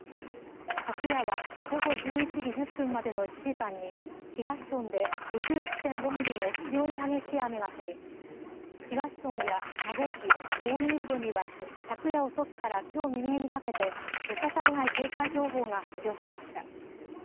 昨夜は午後１１時１０分までの１時間に東村で５１．５ミリの非常に激しい雨が降り東村や名護市大宜味村には、昨夜遅くからきょう未明にかけて土砂災害警戒情報が発表されました。